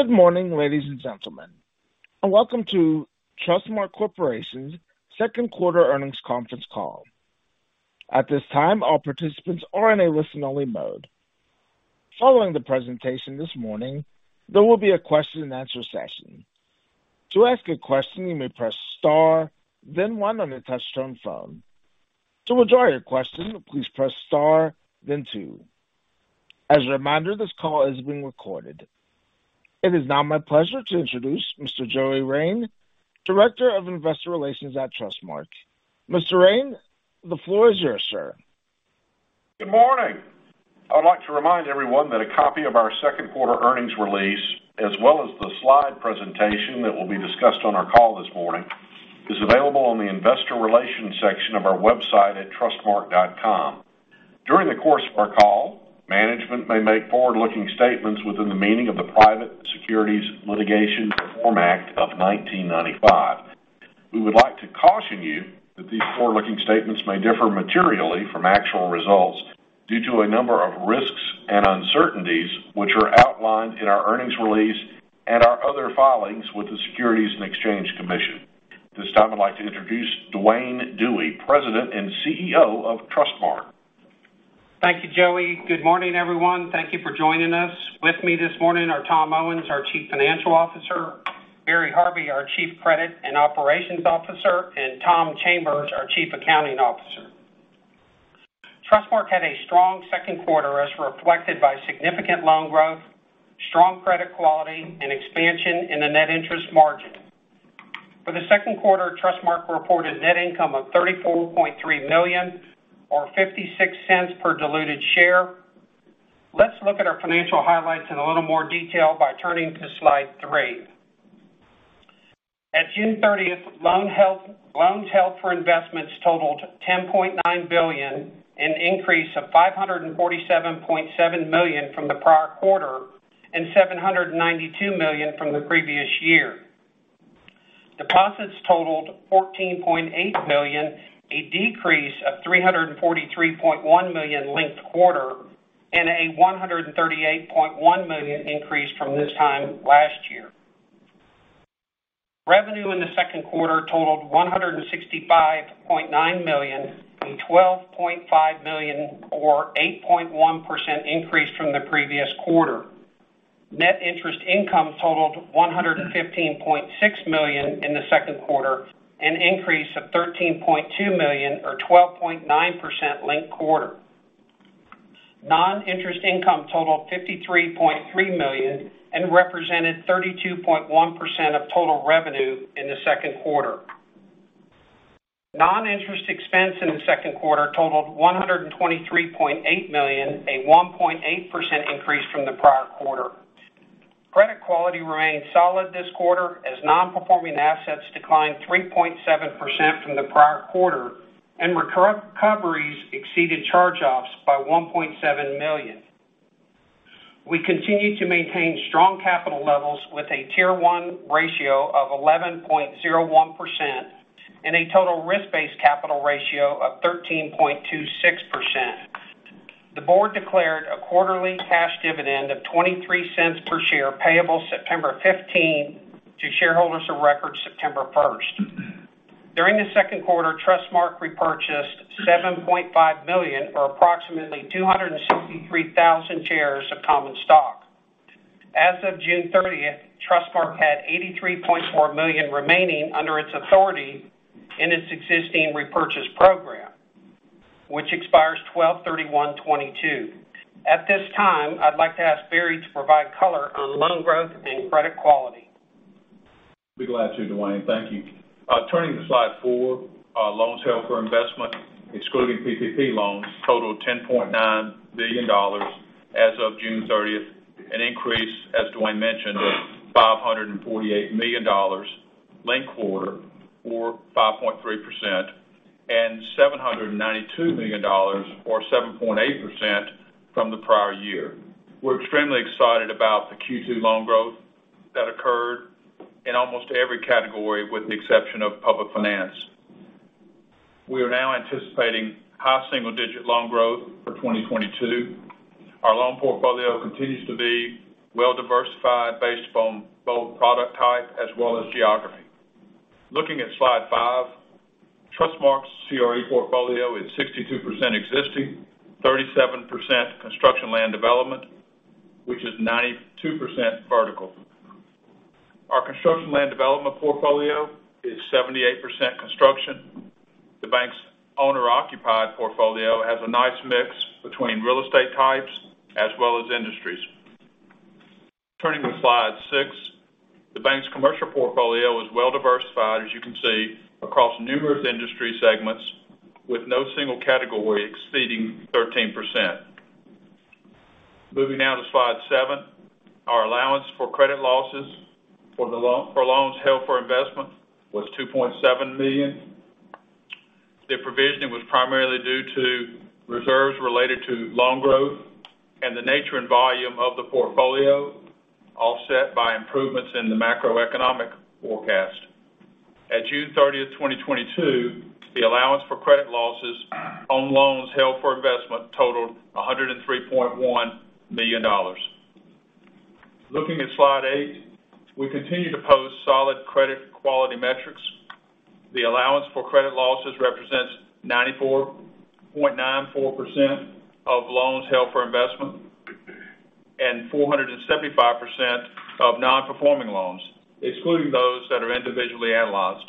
Good morning, ladies and gentlemen, and welcome to Trustmark Corporation's Second Quarter Earnings Conference Call. At this time, all participants are in a listen-only mode. Following the presentation this morning, there will be a question-and-answer session. To ask a question, you may press star, then one on your touchtone phone. To withdraw your question, please press star, then two. As a reminder, this call is being recorded. It is now my pleasure to introduce Joey Rein, Director of Investor Relations at Trustmark. Mr. Rein, the floor is yours, sir. Good morning. I would like to remind everyone that a copy of our second quarter earnings release, as well as the slide presentation that will be discussed on our call this morning, is available on the investor relations section of our website at trustmark.com. During the course of our call, management may make forward-looking statements within the meaning of the Private Securities Litigation Reform Act of 1995. We would like to caution you that these forward-looking statements may differ materially from actual results due to a number of risks and uncertainties which are outlined in our earnings release and our other filings with the Securities and Exchange Commission. This time, I'd like to introduce Duane Dewey, President and CEO of Trustmark. Thank you, Joey. Good morning, everyone. Thank you for joining us. With me this morning are Tom Owens, our Chief Financial Officer, Barry Harvey, our Chief Credit and Operations Officer, and Tom Chambers, our Chief Accounting Officer. Trustmark had a strong second quarter as reflected by significant loan growth, strong credit quality, and expansion in the net interest margin. For the second quarter, Trustmark reported net income of $34.3 million, or $0.56 per diluted share. Let's look at our financial highlights in a little more detail by turning to slide three. At June thirtieth, loans held for investments totaled $10.9 billion, an increase of $547.7 million from the prior quarter and $792 million from the previous year. Deposits totaled $14.8 million, a decrease of $343.1 million linked-quarter and a $138.1 million increase from this time last year. Revenue in the second quarter totaled $165.9 million, a $12.5 million or 8.1% increase from the previous quarter. Net interest income totaled $115.6 million in the second quarter, an increase of $13.2 million or 12.9% linked-quarter. Non-interest income totaled $53.3 million and represented 32.1% of total revenue in the second quarter. Non-interest expense in the second quarter totaled $123.8 million, a 1.8% increase from the prior quarter. Credit quality remained solid this quarter as non-performing assets declined 3.7% from the prior quarter, and recoveries exceeded charge-offs by $1.7 million. We continue to maintain strong capital levels with a Tier 1 ratio of 11.01% and a total risk-based capital ratio of 13.26%. The board declared a quarterly cash dividend of $0.23 per share payable September 15 to shareholders of record September 1. During the second quarter, Trustmark repurchased $7.5 million, or approximately 263,000 shares of common stock. As of June 30th, Trustmark had $83.4 million remaining under its authority in its existing repurchase program, which expires 12/31/2022. At this time, I'd like to ask Barry to provide color on loan growth and credit quality. Be glad to, Dwayne. Thank you. Turning to slide four, our loans held for investment, excluding PPP loans, totaled $10.9 billion as of June 30th, an increase, as Dwayne mentioned, of $548 million linked quarter or 5.3%, and $792 million or 7.8% from the prior year. We're extremely excited about the Q2 loan growth that occurred in almost every category with the exception of public finance. We are now anticipating high single-digit loan growth for 2022. Our loan portfolio continues to be well diversified based upon both product type as well as geography. Looking at slide five, Trustmark's CRE portfolio is 62% existing, 37% construction/land development, which is 92% vertical. Our construction/land development portfolio is 78% construction. The bank's owner-occupied portfolio has a nice mix between real estate types as well as industries. Turning to slide six, the bank's commercial portfolio is well diversified, as you can see, across numerous industry segments, with no single category exceeding 13%. Moving now to slide seven. Our allowance for credit losses for loans held for investment was $2.7 million. The provision was primarily due to reserves related to loan growth and the nature and volume of the portfolio, offset by improvements in the macroeconomic forecast. At June 30th, 2022, the allowance for credit losses.. On loans held for investment totaled $103.1 million. Looking at slide eight, we continue to post solid credit quality metrics. The allowance for credit losses represents 94.94% of loans held for investment and 475% of non-performing loans, excluding those that are individually analyzed.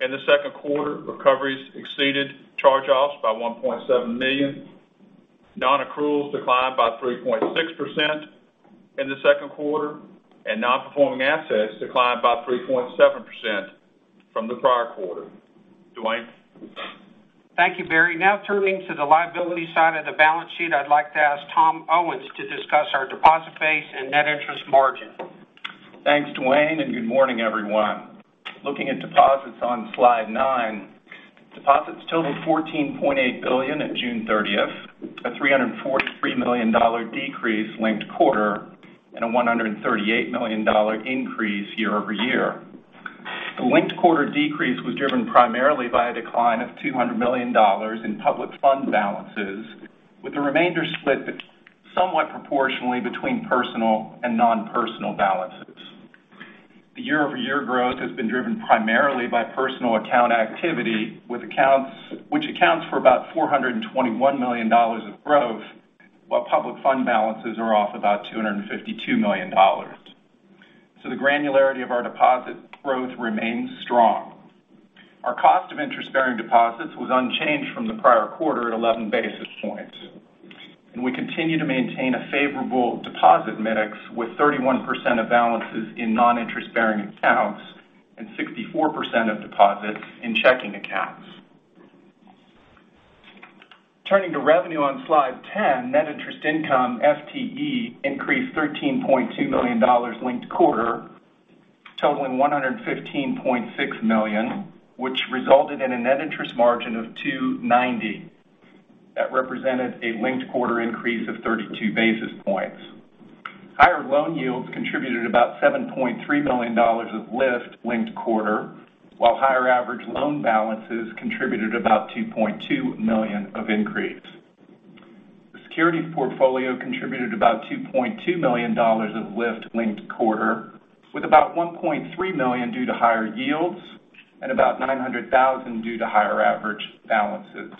In the second quarter, recoveries exceeded charge-offs by $1.7 million. Non-accruals declined by 3.6% in the second quarter, and non-performing assets declined by 3.7% from the prior quarter. Duane. Thank you, Barry. Now turning to the liability side of the balance sheet, I'd like to ask Tom Owens to discuss our deposit base and net interest margin. Thanks, Duane, and good morning, everyone. Looking at deposits on slide nine, deposits totaled $14.8 billion at June 30, a $343 million decrease linked-quarter and a $138 million increase year-over-year. The linked-quarter decrease was driven primarily by a decline of $200 million in public fund balances, with the remainder split somewhat proportionally between personal and non-personal balances. The year-over-year growth has been driven primarily by personal account activity, which accounts for about $421 million of growth, while public fund balances are off about $252 million. The granularity of our deposit growth remains strong. Our cost of interest-bearing deposits was unchanged from the prior quarter at 11 basis points. We continue to maintain a favorable deposit mix with 31% of balances in non-interest-bearing accounts and 64% of deposits in checking accounts. Turning to revenue on slide ten, net interest income FTE increased $13.2 million linked-quarter, totaling $115.6 million, which resulted in a net interest margin of 2.90%. That represented a linked-quarter increase of 32 basis points. Higher loan yields contributed about $7.3 million of lift linked-quarter, while higher average loan balances contributed about $2.2 million of increase. The securities portfolio contributed about $2.2 million of lift linked-quarter, with about $1.3 million due to higher yields and about $900,000 due to higher average balances.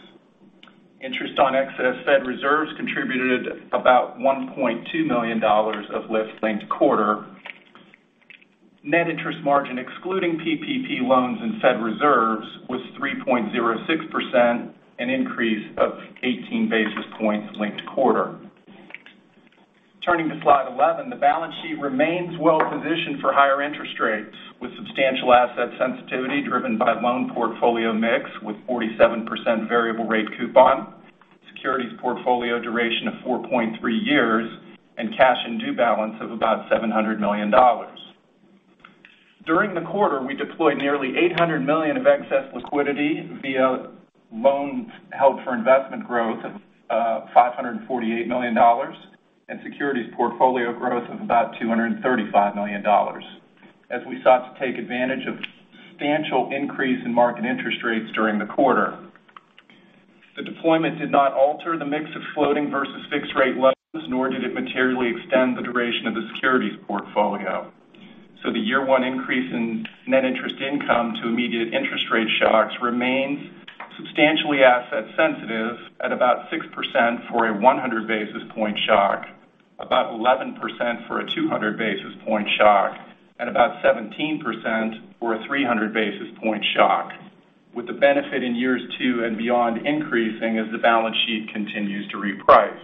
Interest on excess Fed reserves contributed about $1.2 million of lift linked-quarter. Net interest margin excluding PPP loans and Fed reserves was 3.06%, an increase of 18 basis points linked quarter. Turning to slide 11, the balance sheet remains well positioned for higher interest rates, with substantial asset sensitivity driven by loan portfolio mix with 47% variable rate coupon, securities portfolio duration of 4.3 years, and cash and due balance of about $700 million. During the quarter, we deployed nearly $800 million of excess liquidity via loans held for investment growth of $548 million and securities portfolio growth of about $235 million as we sought to take advantage of substantial increase in market interest rates during the quarter. The deployment did not alter the mix of floating versus fixed rate loans, nor did it materially extend the duration of the securities portfolio. The year one increase in net interest income to immediate interest rate shocks remains substantially asset sensitive at about 6% for a 100 basis point shock, about 11% for a 200 basis point shock, and about 17% for a 300 basis point shock, with the benefit in years 2 and beyond increasing as the balance sheet continues to reprice.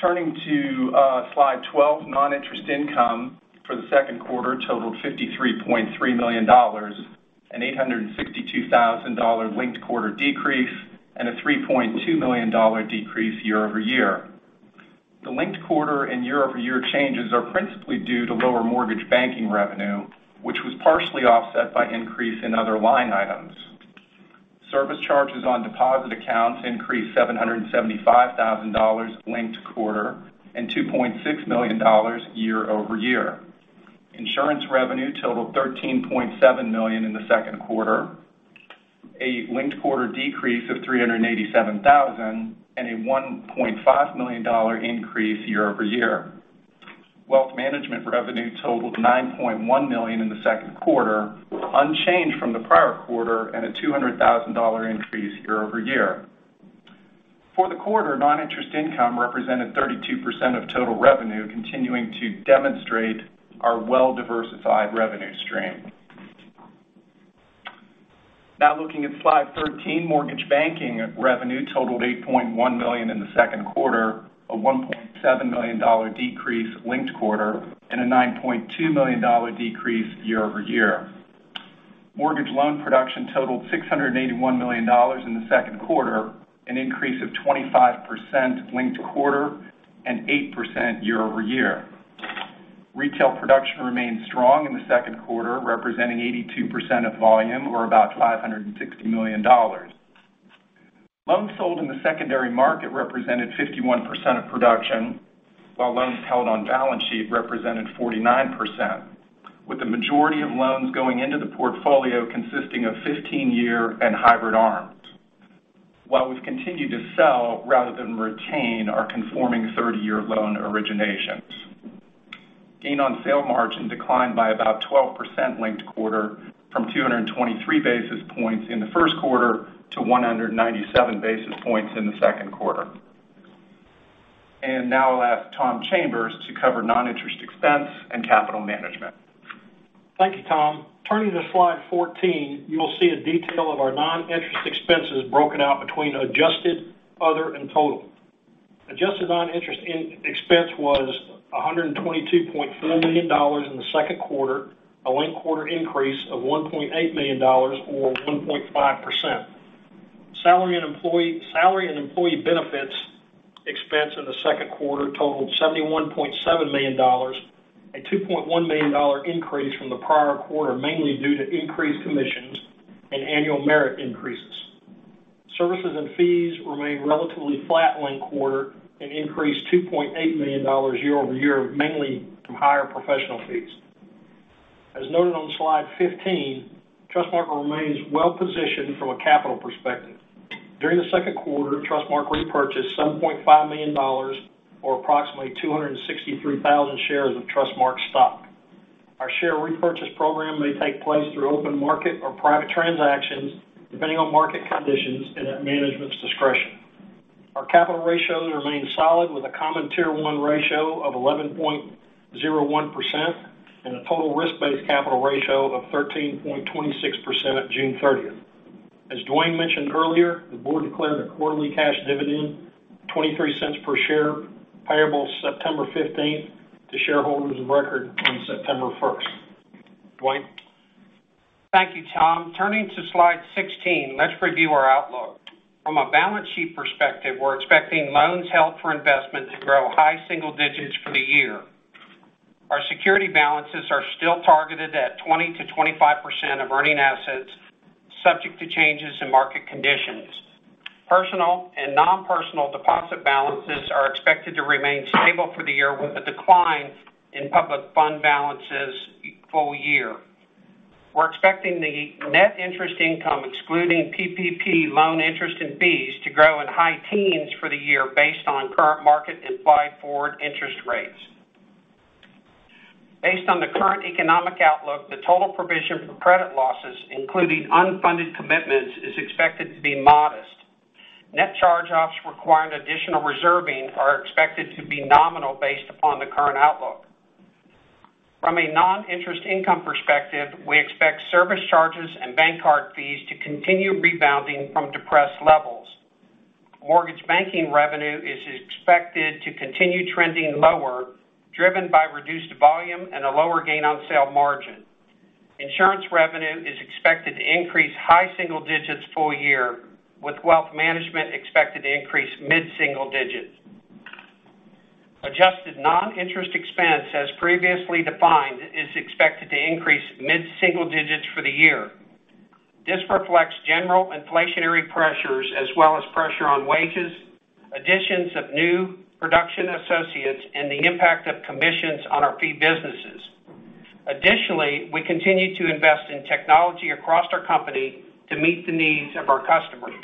Turning to slide 12, non-interest income for the second quarter totaled $53.3 million, an $862,000 linked-quarter decrease, and a $3.2 million decrease year-over-year. The linked-quarter and year-over-year changes are principally due to lower mortgage banking revenue, which was partially offset by increase in other line items. Service charges on deposit accounts increased $775,000 linked-quarter and $2.6 million year-over-year. Insurance revenue totaled $13.7 million in the second quarter, a linked-quarter decrease of $387,000, and a $1.5 million increase year-over-year. Wealth management revenue totaled $9.1 million in the second quarter, unchanged from the prior quarter and a $200,000 increase year-over-year. For the quarter, non-interest income represented 32% of total revenue, continuing to demonstrate our well-diversified revenue stream. Now looking at slide 13, mortgage banking revenue totaled $8.1 million in the second quarter, a $1.7 million decrease linked-quarter, and a $9.2 million decrease year-over-year. Mortgage loan production totaled $681 million in the second quarter, an increase of 25% linked quarter and 8% year-over-year. Retail production remained strong in the second quarter, representing 82% of volume or about $560 million. Loans sold in the secondary market represented 51% of production, while loans held on balance sheet represented 49%, with the majority of loans going into the portfolio consisting of 15-year and hybrid ARMs, while we've continued to sell rather than retain our conforming 30-year loan originations. Gain on Sale Margin declined by about 12% linked quarter from 223 basis points in the first quarter to 197 basis points in the second quarter. Now I'll ask Tom Chambers to cover non-interest expense and capital management. Thank you, Tom. Turning to slide 14, you'll see a detail of our non-interest expenses broken out between adjusted, other, and total. Adjusted non-interest expense was $122.4 million in the second quarter, a linked-quarter increase of $1.8 million or 1.5%. Salary and employee benefits expense in the second quarter totaled $71.7 million, a $2.1 million increase from the prior quarter, mainly due to increased commissions and annual merit increases. Services and fees remained relatively flat linked-quarter and increased $2.8 million year-over-year, mainly from higher professional fees. As noted on slide 15, Trustmark remains well positioned from a capital perspective. During the second quarter, Trustmark repurchased $7.5 million or approximately 263,000 shares of Trustmark stock. Our share repurchase program may take place through open market or private transactions, depending on market conditions and at management's discretion. Our capital ratios remain solid with a common Tier 1 ratio of 11.01% and a total risk-based capital ratio of 13.26% at June 30. As Duane mentioned earlier, the board declared a quarterly cash dividend of $0.23 per share payable September 15 to shareholders of record on September 1st. Duane. Thank you, Tom. Turning to slide 16, let's review our outlook. From a balance sheet perspective, we're expecting loans held for investment to grow high single digits for the year. Our security balances are still targeted at 20%-25% of earning assets, subject to changes in market conditions. Personal and non-personal deposit balances are expected to remain stable for the year with a decline in public fund balances full year. We're expecting the net interest income excluding PPP loan interest and fees to grow in high teens for the year based on current market implied forward interest rates. Based on the current economic outlook, the total provision for credit losses, including unfunded commitments, is expected to be modest. Net charge-offs requiring additional reserving are expected to be nominal based upon the current outlook. From a non-interest income perspective, we expect service charges and bank card fees to continue rebounding from depressed levels. Mortgage banking revenue is expected to continue trending lower, driven by reduced volume and a lower gain on sale margin. Insurance revenue is expected to increase high single digits full year, with wealth management expected to increase mid-single digits. Adjusted non-interest expense, as previously defined, is expected to increase mid-single digits for the year. This reflects general inflationary pressures as well as pressure on wages, additions of new production associates, and the impact of commissions on our fee businesses. Additionally, we continue to invest in technology across our company to meet the needs of our customers.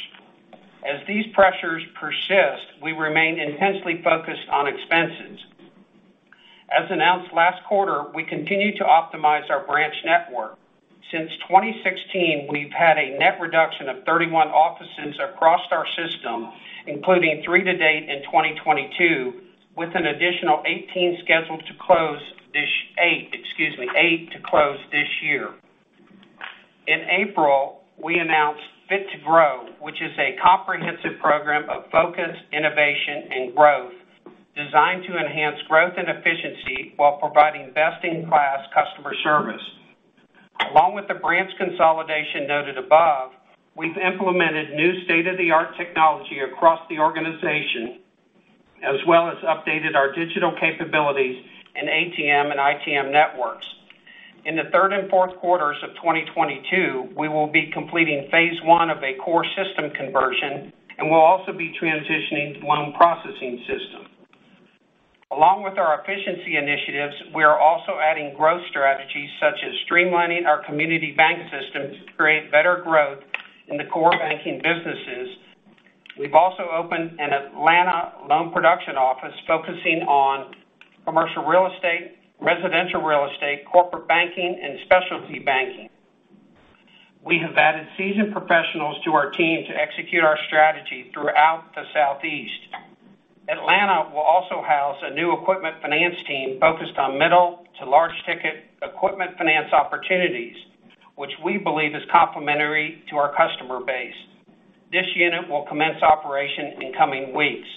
As these pressures persist, we remain intensely focused on expenses. As announced last quarter, we continue to optimize our branch network. Since 2016, we've had a net reduction of 31 offices across our system, including three to date in 2022, with an additional eight scheduled to close this year. In April, we announced Fit to Grow, which is a comprehensive program of focus, innovation, and growth designed to enhance growth and efficiency while providing best-in-class customer service. Along with the branch consolidation noted above, we've implemented new state-of-the-art technology across the organization, as well as updated our digital capabilities in ATM and ITM networks. In the third and fourth quarters of 2022, we will be completing phase one of a core system conversion, and we'll also be transitioning loan processing system. Along with our efficiency initiatives, we are also adding growth strategies such as streamlining our community bank systems to create better growth in the core banking businesses. We've also opened an Atlanta loan production office focusing on commercial real estate, residential real estate, corporate banking, and specialty banking. We have added seasoned professionals to our team to execute our strategy throughout the Southeast. Atlanta will also house a new equipment finance team focused on middle to large ticket equipment finance opportunities, which we believe is complementary to our customer base. This unit will commence operation in coming weeks.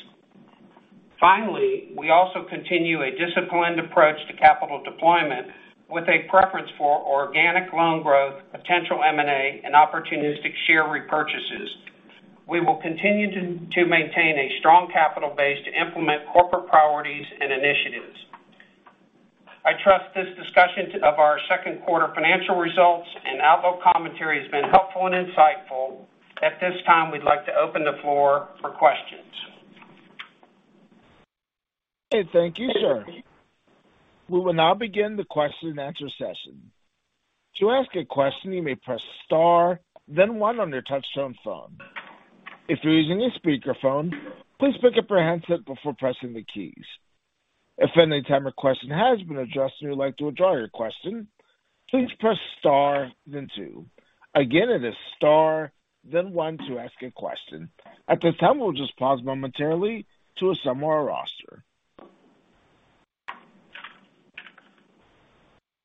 Finally, we also continue a disciplined approach to capital deployment with a preference for organic loan growth, potential M&A, and opportunistic share repurchases. We will continue to maintain a strong capital base to implement corporate priorities and initiatives. I trust this discussion of our second quarter financial results and outlook commentary has been helpful and insightful. At this time, we'd like to open the floor for questions. Okay. Thank you, sir. We will now begin the question and answer session. To ask a question, you may press star then one on your touchtone phone. If you're using a speakerphone, please pick up your handset before pressing the keys. If any time a question has been addressed, and you'd like to withdraw your question, please press star then two. Again, it is star then one to ask a question. At this time, we'll just pause momentarily to assemble our roster.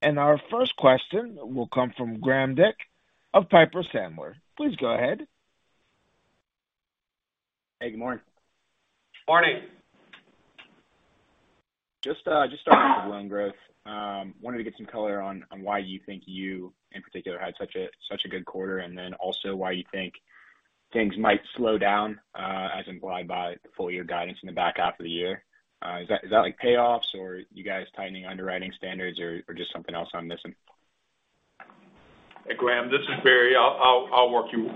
Our first question will come from Graham Dick of Piper Sandler. Please go ahead. Hey, good morning. Morning. Just starting with loan growth. Wanted to get some color on why you think you, in particular, had such a good quarter, and then also why you think things might slow down, as implied by the full year guidance in the back half of the year. Is that like payoffs or you guys tightening underwriting standards or just something else I'm missing? Hey, Graham, this is Barry. I'll walk you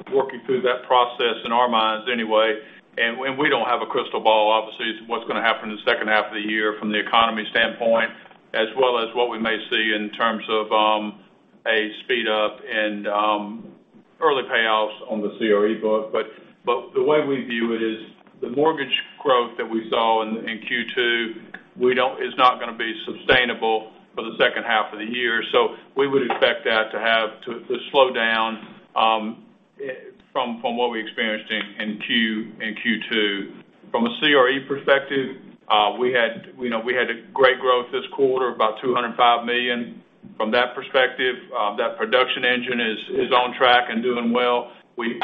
through that process in our minds anyway. When we don't have a crystal ball, obviously, it's what's gonna happen in the second half of the year from the economy standpoint, as well as what we may see in terms of a speed up and early payoffs on the CRE book. The way we view it is the mortgage growth that we saw in Q2 is not gonna be sustainable for the second half of the year. We would expect that to slow down from what we experienced in Q2. From a CRE perspective, we had, you know, a great growth this quarter, about $205 million. From that perspective, that production engine is on track and doing well. We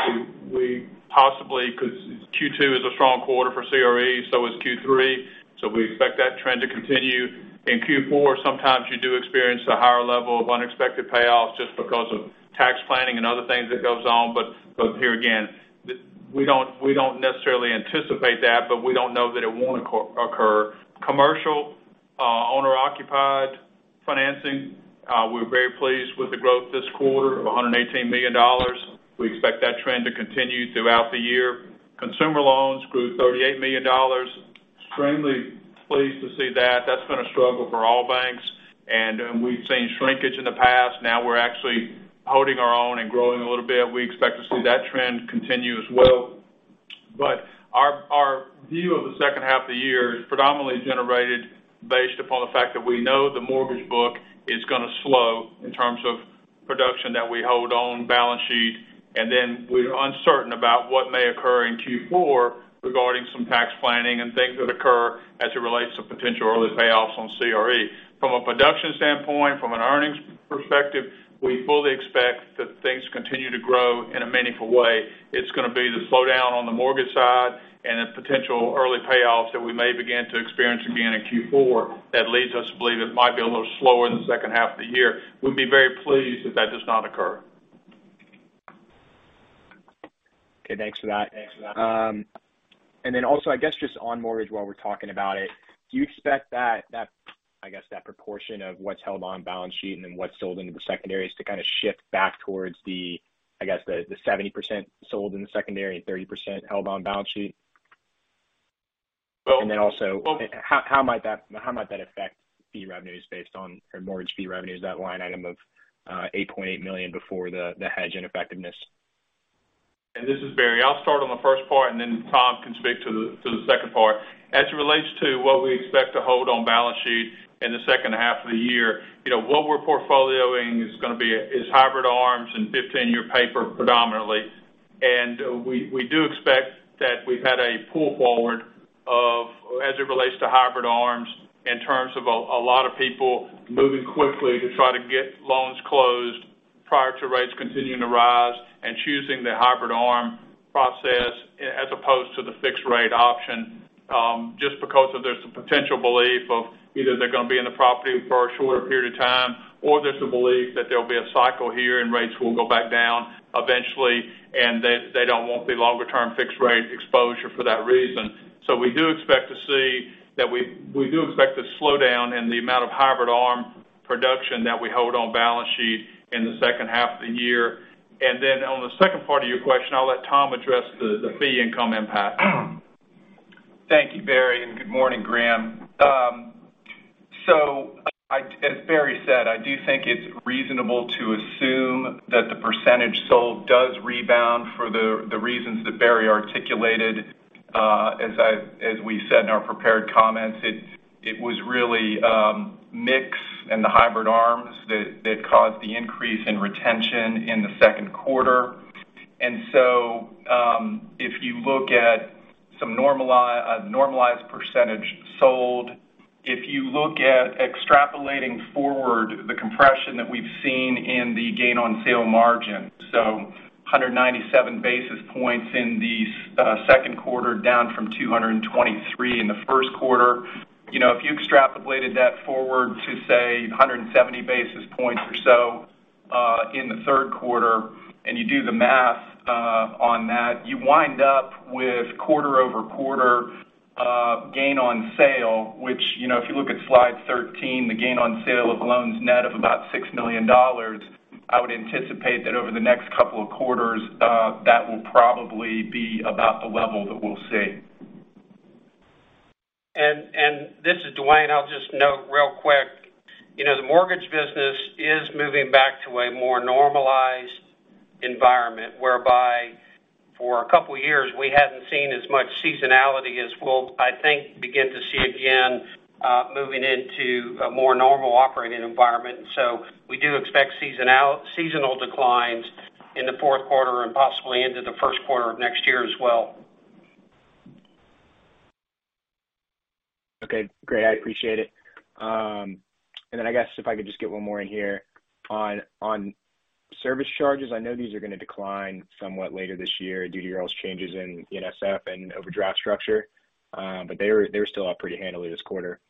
possibly because Q2 is a strong quarter for CRE, so is Q3, so we expect that trend to continue. In Q4, sometimes you do experience a higher level of unexpected payoffs just because of tax planning and other things that goes on. Here again, we don't necessarily anticipate that, but we don't know that it won't occur. Commercial owner-occupied financing, we're very pleased with the growth this quarter of $118 million. We expect that trend to continue throughout the year. Consumer loans grew $38 million. Extremely pleased to see that. That's been a struggle for all banks. We've seen shrinkage in the past. Now we're actually holding our own and growing a little bit. We expect to see that trend continue as well. Our view of the second half of the year is predominantly generated based upon the fact that we know the mortgage book is gonna slow in terms of production that we hold on balance sheet, and then we're uncertain about what may occur in Q4 regarding some tax planning and things that occur as it relates to potential early payoffs on CRE. From a production standpoint, from an earnings perspective, we fully expect that things continue to grow in a meaningful way. It's gonna be the slowdown on the mortgage side and the potential early payoffs that we may begin to experience again in Q4 that leads us to believe it might be a little slower in the second half of the year. We'll be very pleased if that does not occur. Okay, thanks for that. Then also, I guess, just on mortgage while we're talking about it, do you expect that, I guess, that proportion of what's held on balance sheet and then what's sold into the secondaries to kind of shift back towards the, I guess, the 70% sold in the secondary and 30% held on balance sheet? Well- How might that affect fee revenues based on, or mortgage fee revenues, that line item of $8.8 million before the hedge ineffectiveness? This is Barry. I'll start on the first part, and then Tom can speak to the second part. As it relates to what we expect to hold on balance sheet in the second half of the year, you know, what we're portfolioing is gonna be hybrid ARMs and 15-year paper predominantly. We do expect that we've had a pull forward of, as it relates to Hybrid ARMs, in terms of a lot of people moving quickly to try to get loans closed prior to rates continuing to rise and choosing the Hybrid ARM process as opposed to the fixed rate option, just because there's some potential belief of either they're gonna be in the property for a shorter period of time, or there's a belief that there'll be a cycle here and rates will go back down eventually, and they don't want the longer term fixed rate exposure for that reason. We do expect a slowdown in the amount of Hybrid ARM production that we hold on balance sheet in the second half of the year. On the second part of your question, I'll let Tom address the fee income impact. Thank you, Barry. Good morning, Graham. As Barry said, I do think it's reasonable to assume that the percentage sold does rebound for the reasons that Barry articulated. As we said in our prepared comments, it was really mix in the Hybrid ARMs that caused the increase in retention in the second quarter. If you look at some normalized percentage sold, if you look at extrapolating forward the compression that we've seen in the gain on sale margin. 197 basis points in the second quarter, down from 223 in the first quarter. You know, if you extrapolated that forward to, say, 170 basis points or so. In the third quarter, you do the math on that. You wind up with quarter-over-quarter gain on sale, which, you know, if you look at slide 13, the gain on sale of loans net of about $6 million. I would anticipate that over the next couple of quarters, that will probably be about the level that we'll see. This is Duane. I'll just note real quick. You know, the mortgage business is moving back to a more normalized environment, whereby for a couple of years, we hadn't seen as much seasonality as we'll, I think, begin to see again, moving into a more normal operating environment. We do expect seasonal declines in the fourth quarter and possibly into the first quarter of next year as well. Okay, great. I appreciate it. I guess if I could just get one more in here. On service charges, I know these are gonna decline somewhat later this year due to y'all's changes in NSF and overdraft structure, but they were still up pretty handily this quarter.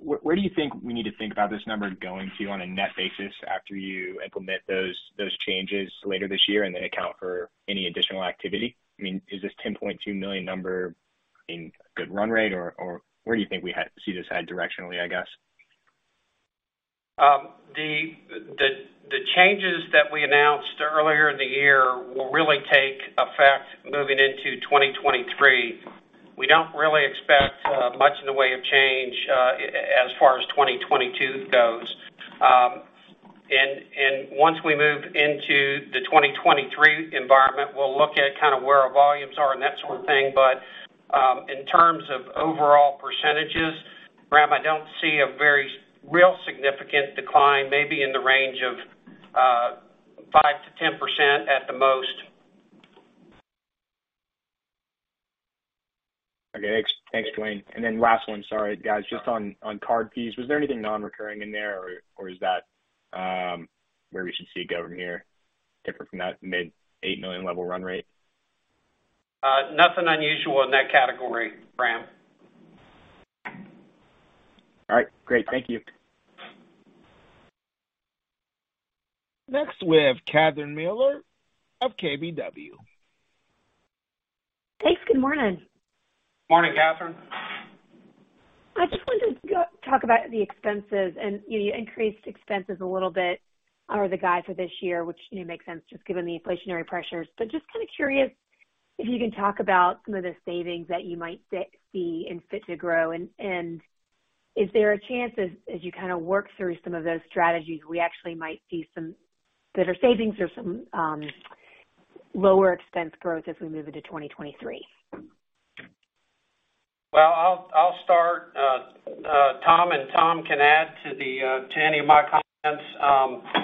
Where do you think we need to think about this number going to you on a net basis after you implement those changes later this year and then account for any additional activity? I mean, is this $10.2 million number in good run rate or where do you think we see this head directionally, I guess? The changes that we announced earlier in the year will really take effect moving into 2023. We don't really expect much in the way of change as far as 2022 goes. Once we move into the 2023 environment, we'll look at kind of where our volumes are and that sort of thing. In terms of overall percentages, Ram, I don't see a very real significant decline, maybe in the range of 5%-10% at the most. Okay. Thanks, Duane. Last one. Sorry, guys. Just on card fees. Was there anything non-recurring in there or is that where we should see it go from here, different from that mid-$8 million level run rate? Nothing unusual in that category, Graham. All right, great. Thank you. Next, we have Catherine Mealor of KBW. Thanks. Good morning. Morning, Catherine. I just wanted to talk about the expenses and, you know, you increased expenses a little bit under the guide for this year, which, you know, makes sense just given the inflationary pressures. Just kind of curious if you can talk about some of the savings that you might see in Fit to Grow and, is there a chance as you kind of work through some of those strategies, we actually might see some better savings or some lower expense growth as we move into 2023? Well, I'll start, Tom, and Tom can add to any of my comments.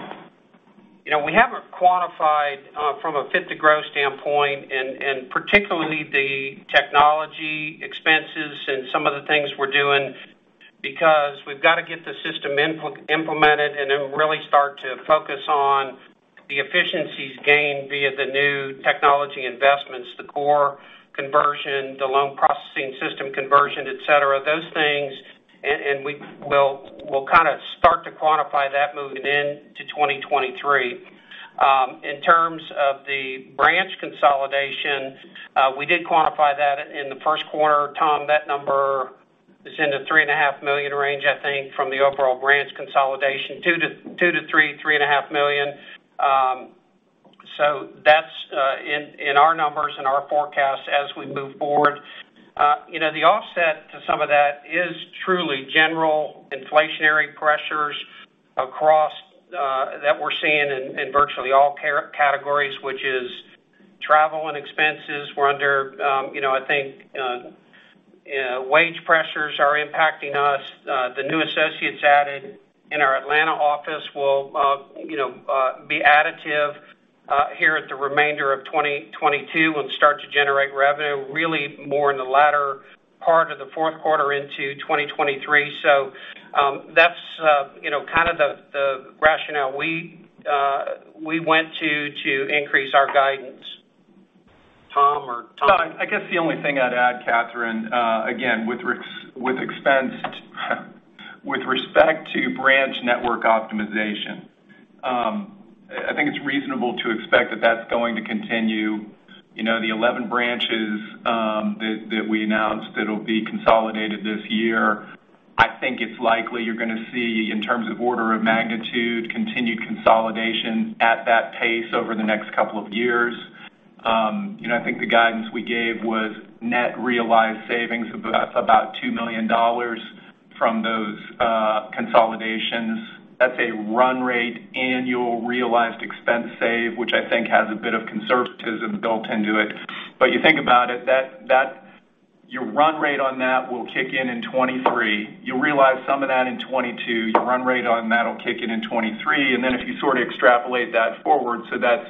You know, we haven't quantified from a Fit to Grow standpoint and particularly the technology expenses and some of the things we're doing because we've got to get the system implemented and then really start to focus on the efficiencies gained via the new technology investments, the core conversion, the loan processing system conversion, et cetera. Those things. We'll kind of start to quantify that moving into 2023. In terms of the branch consolidation, we did quantify that in the first quarter. Tom, that number is in the $3.5 million range, I think, from the overall branch consolidation, $2 million to $3 million, $3.5 million. That's in our numbers and our forecasts as we move forward. You know, the offset to some of that is truly general inflationary pressures across that we're seeing in virtually all categories, which is travel and expenses. We're under, you know, I think, wage pressures are impacting us. The new associates added in our Atlanta office will, you know, be additive in the remainder of 2022 and start to generate revenue really more in the latter part of the fourth quarter into 2023. That's, you know, kind of the rationale we went to increase our guidance. Tom? Yeah. I guess the only thing I'd add, Catherine, again, with respect to branch network optimization, I think it's reasonable to expect that that's going to continue. You know, the 11 branches that we announced that'll be consolidated this year, I think it's likely you're gonna see, in terms of order of magnitude, continued consolidation at that pace over the next couple of years. You know, I think the guidance we gave was net realized savings of about $2 million from those consolidations. That's a run rate annual realized expense save, which I think has a bit of conservatism built into it. But you think about it, that your run rate on that will kick in in 2023. You'll realize some of that in 2022. Your run rate on that will kick in in 2023. If you sort of extrapolate that forward, so that's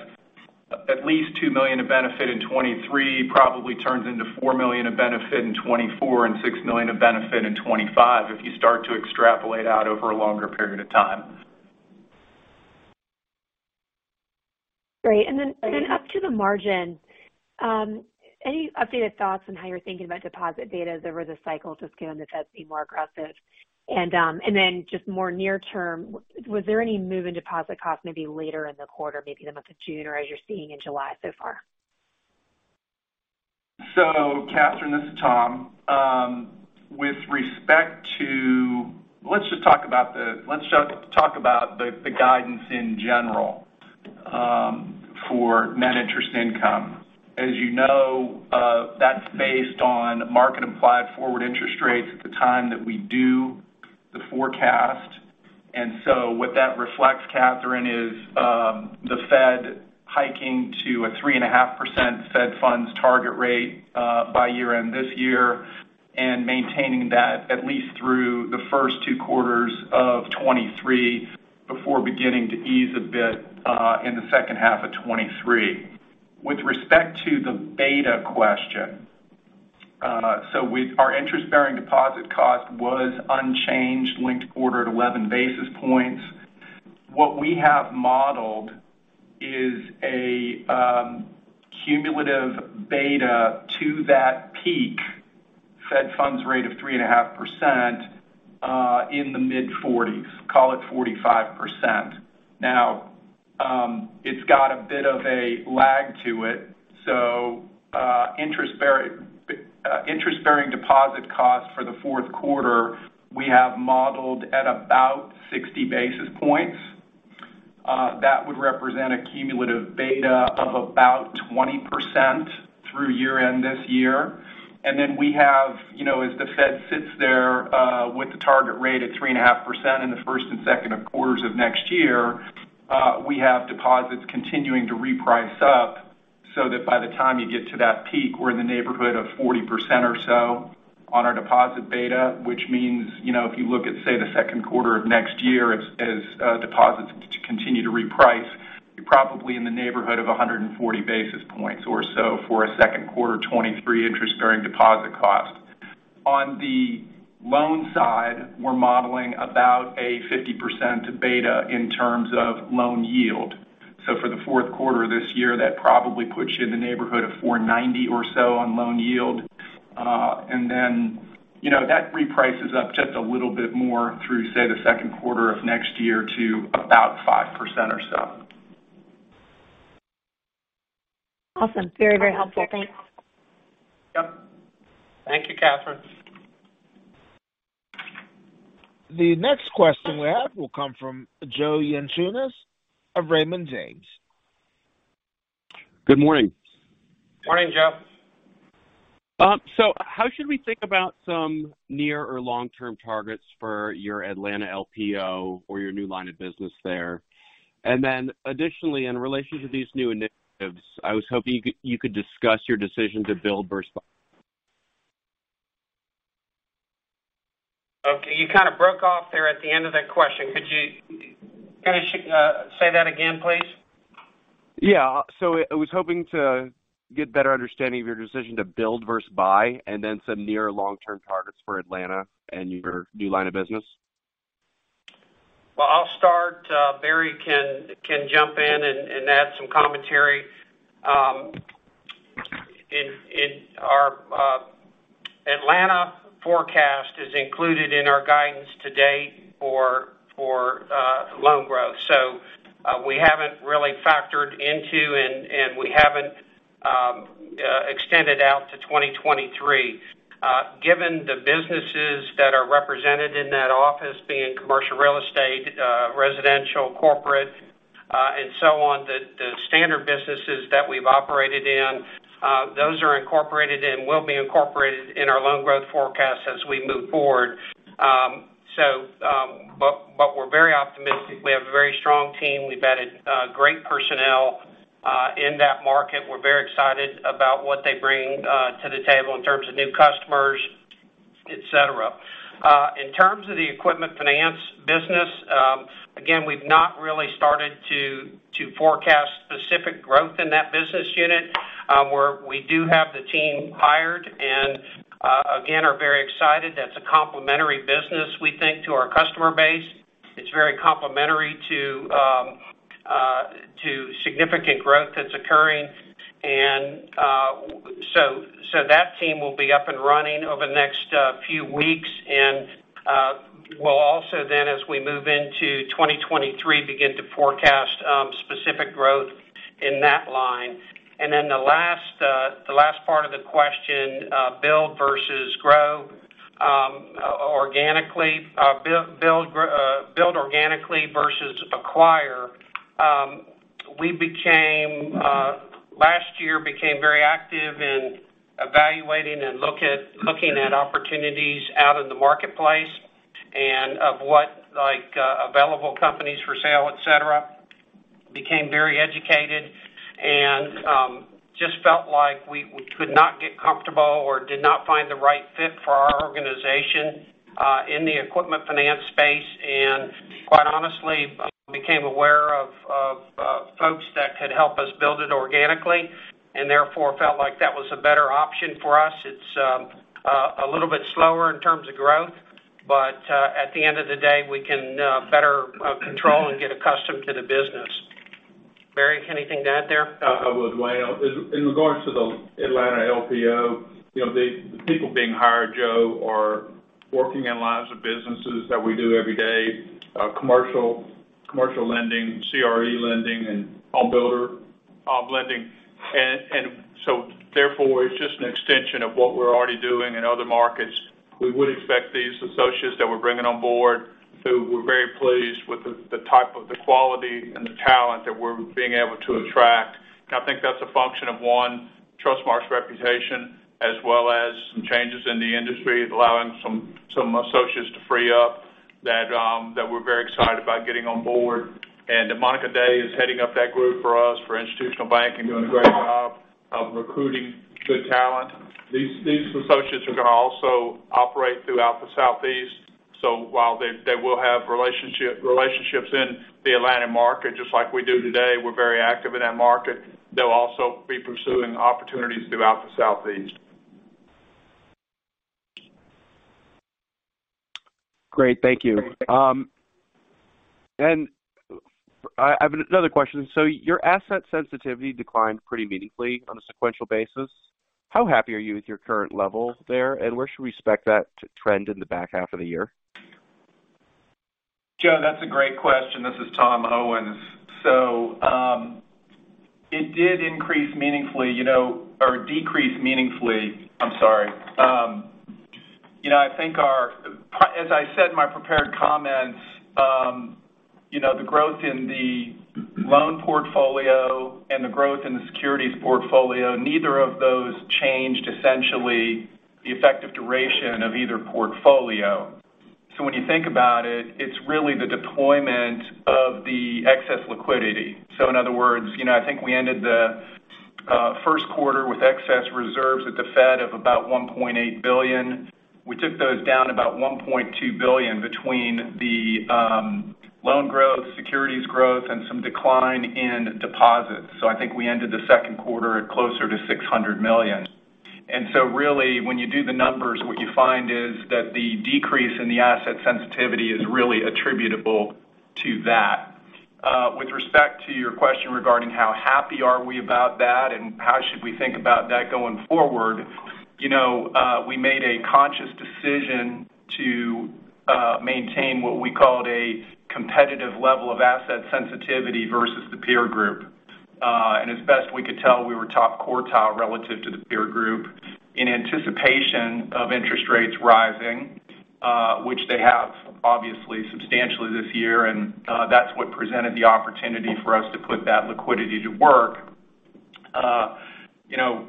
at least $2 million of benefit in 2023 probably turns into $4 million of benefit in 2024 and $6 million of benefit in 2025 if you start to extrapolate out over a longer period of time. Great. Up to the margin, any updated thoughts on how you're thinking about deposit betas as the cycle has been more aggressive? Just more near term, was there any move in deposit costs maybe later in the quarter, maybe the month of June or as you're seeing in July so far? Catherine, this is Tom. With respect to the guidance in general for net interest income. Let's just talk about that. As you know, that's based on market implied forward interest rates at the time that we do the forecast. What that reflects, Catherine, is the Fed hiking to a 3.5% Fed funds target rate by year-end this year and maintaining that at least through the first two quarters of 2023 before beginning to ease a bit in the second half of 2023. With respect to the beta question. With our interest-bearing deposit cost was unchanged, linked quarter at 11 basis points. What we have modeled is a cumulative beta to that peak Fed funds rate of 3.5% in the mid-forties, call it 45%. Now, it's got a bit of a lag to it, so, interest-bearing deposit cost for the fourth quarter, we have modeled at about 60 basis points. That would represent a cumulative beta of about 20% through year-end this year. We have, you know, as the Fed sits there, with the target rate at 3.5% in the first and second quarters of next year, we have deposits continuing to reprice up so that by the time you get to that peak, we're in the neighborhood of 40% or so on our deposit beta. Which means, you know, if you look at, say, the second quarter of next year as deposits continue to reprice, you're probably in the neighborhood of 140 basis points or so for a second quarter 2023 interest-bearing deposit cost. On the loan side, we're modeling about a 50% beta in terms of loan yield. For the fourth quarter this year, that probably puts you in the neighborhood of 4.90 or so on loan yield. Then, you know, that reprices up just a little bit more through, say, the second quarter of next year to about 5% or so. Awesome. Very, very helpful. Thanks. Yep. Thank you, Catherine. The next question we have will come from Joe Yanchu of Raymond James. Good morning. Morning, Joe. How should we think about some near or long-term targets for your Atlanta LPO or your new line of business there? Additionally, in relation to these new initiatives, I was hoping you could discuss your decision to build versus buy. Okay, you kind of broke off there at the end of that question. Could you finish, say that again, please? Yeah. I was hoping to get better understanding of your decision to build versus buy and then some near-term and long-term targets for Atlanta and your new line of business. Well, I'll start, Barry can jump in and add some commentary. In our Atlanta forecast is included in our guidance to date for loan growth. We haven't really factored it in and we haven't extended out to 2023. Given the businesses that are represented in that office being commercial real estate, residential, corporate, and so on, the standard businesses that we've operated in, those are incorporated and will be incorporated in our loan growth forecast as we move forward. We're very optimistic. We have a very strong team. We've added great personnel in that market. We're very excited about what they bring to the table in terms of new customers, et cetera. In terms of the equipment finance business, again, we've not really started to forecast specific growth in that business unit. We do have the team hired and, again, are very excited. That's a complementary business, we think, to our customer base. It's very complementary to significant growth that's occurring. That team will be up and running over the next few weeks. We'll also then, as we move into 2023, begin to forecast specific growth in that line. Then the last part of the question, build versus grow organically. Build organically versus acquire. We became last year very active in evaluating and looking at opportunities out in the marketplace and of what, like, available companies for sale, et cetera, became very educated and just felt like we could not get comfortable or did not find the right fit for our organization in the equipment finance space. Quite honestly, became aware of folks that could help us build it organically and therefore felt like that was a better option for us. It's a little bit slower in terms of growth, but at the end of the day, we can better control and get accustomed to the business. Barry, anything to add there? I would, Duane. In regards to the Atlanta LPO, you know, the people being hired, Joe, are working in lines of businesses that we do every day, commercial lending, CRE lending and home builder lending. Therefore, it's just an extension of what we're already doing in other markets. We would expect these associates that we're bringing on board, who we're very pleased with the type of the quality and the talent that we're being able to attract. I think that's a function of one, Trustmark's reputation, as well as some changes in the industry, allowing some associates to free up that we're very excited about getting on board. Monica Day is heading up that group for us for Institutional Banking, doing a great job of recruiting good talent. These associates are gonna also operate throughout the Southeast. While they will have relationships in the Atlanta market, just like we do today, we're very active in that market. They'll also be pursuing opportunities throughout the Southeast. Great. Thank you. I have another question. Your asset sensitivity declined pretty meaningfully on a sequential basis. How happy are you with your current level there, and where should we expect that to trend in the back half of the year? Joe, that's a great question. This is Tom Owens. It did increase meaningfully, you know, or decrease meaningfully. I'm sorry. You know, I think as I said in my prepared comments, you know, the growth in the loan portfolio and the growth in the securities portfolio, neither of those changed essentially the effective duration of either portfolio. When you think about it's really the deployment of the excess liquidity. In other words, you know, I think we ended the first quarter with excess reserves at the Fed of about $1.8 billion. We took those down about $1.2 billion between the loan growth, securities growth, and some decline in deposits. I think we ended the second quarter at closer to $600 million. Really, when you do the numbers, what you find is that the decrease in the asset sensitivity is really attributable to that. With respect to your question regarding how happy are we about that and how should we think about that going forward, you know, we made a conscious decision to maintain what we called a competitive level of asset sensitivity versus the peer group. As best we could tell, we were top quartile relative to the peer group in anticipation of interest rates rising, which they have obviously substantially this year. That's what presented the opportunity for us to put that liquidity to work. You know,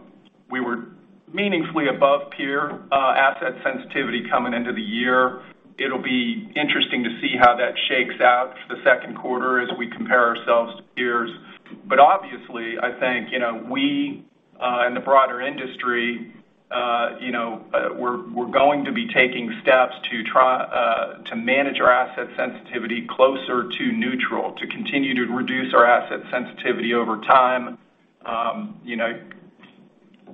we were meaningfully above peer asset sensitivity coming into the year. It'll be interesting to see how that shakes out for the second quarter as we compare ourselves to peers. Obviously, I think, you know, we in the broader industry, you know, we're going to be taking steps to try to manage our asset sensitivity closer to neutral, to continue to reduce our asset sensitivity over time. You know,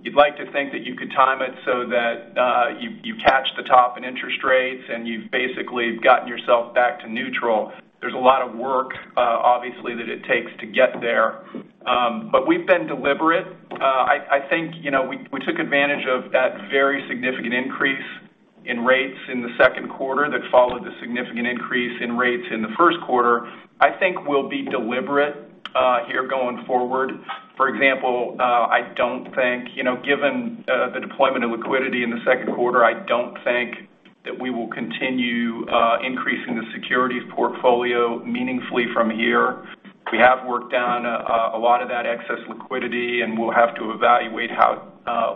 you'd like to think that you could time it so that you catch the top in interest rates, and you've basically gotten yourself back to neutral. There's a lot of work, obviously, that it takes to get there. We've been deliberate. I think, you know, we took advantage of that very significant increase in rates in the second quarter that followed the significant increase in rates in the first quarter. I think we'll be deliberate here going forward. For example, I don't think, you know, given the deployment of liquidity in the second quarter, I don't think that we will continue increasing the securities portfolio meaningfully from here. We have worked down a lot of that excess liquidity, and we'll have to evaluate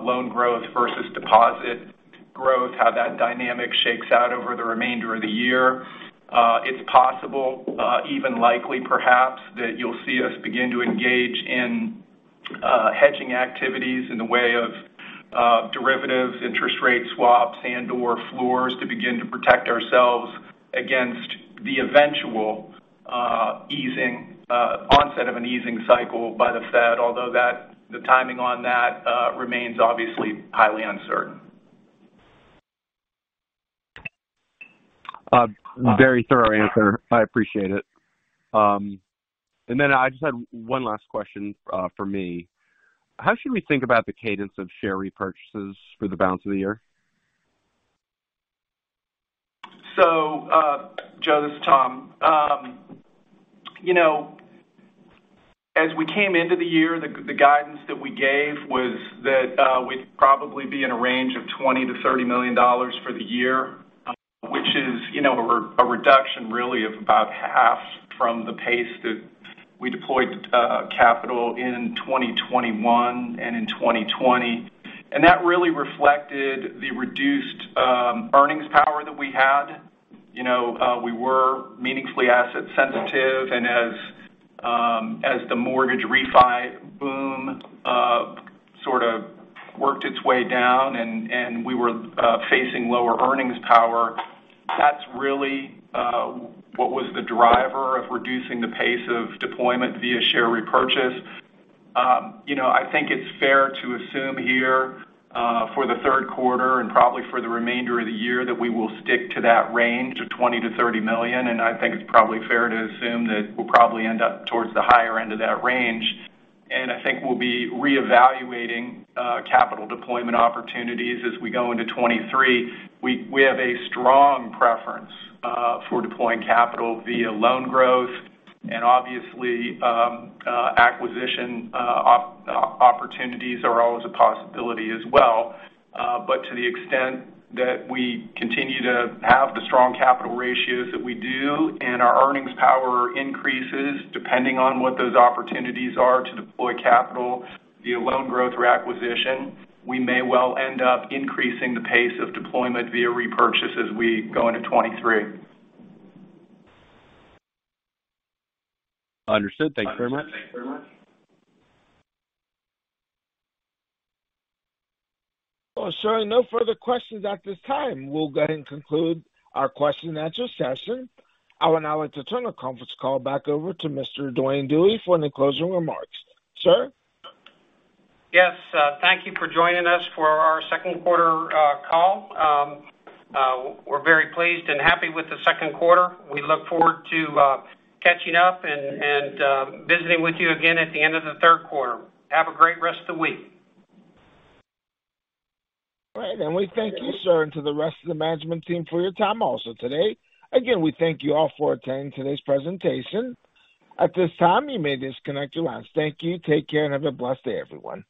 loan growth versus deposit growth, how that dynamic shakes out over the remainder of the year. It's possible, even likely perhaps, that you'll see us begin to engage in hedging activities in the way of derivatives, interest rate swaps and/or floors to begin to protect ourselves against the eventual onset of an easing cycle by the Fed. Although that, the timing on that, remains obviously highly uncertain. Very thorough answer. I appreciate it. I just had one last question from me. How should we think about the cadence of share repurchases for the balance of the year? Joe, this is Tom. You know, as we came into the year, the guidance that we gave was that we'd probably be in a range of $20-$30 million for the year, which is, you know, a reduction really of about half from the pace that we deployed capital in 2021 and in 2020. That really reflected the reduced earnings power that we had. You know, we were meaningfully asset sensitive. As the mortgage refi boom sort of worked its way down and we were facing lower earnings power, that's really what was the driver of reducing the pace of deployment via share repurchase. You know, I think it's fair to assume here for the third quarter and probably for the remainder of the year, that we will stick to that range of $20 million-$30 million. I think it's probably fair to assume that we'll probably end up towards the higher end of that range. I think we'll be reevaluating capital deployment opportunities as we go into 2023. We have a strong preference for deploying capital via loan growth. Obviously, acquisition opportunities are always a possibility as well. To the extent that we continue to have the strong capital ratios that we do and our earnings power increases, depending on what those opportunities are to deploy capital via loan growth or acquisition, we may well end up increasing the pace of deployment via repurchase as we go into 2023. Understood. Thank you very much. Well, sir, no further questions at this time. We'll go ahead and conclude our question and answer session. I would now like to turn the conference call back over to Mr. Duane Dewey for any closing remarks. Sir? Yes. Thank you for joining us for our second quarter call. We're very pleased and happy with the second quarter. We look forward to catching up and visiting with you again at the end of the third quarter. Have a great rest of the week. All right. We thank you, sir, and to the rest of the management team for your time also today. Again, we thank you all for attending today's presentation. At this time, you may disconnect your lines. Thank you. Take care, and have a blessed day, everyone.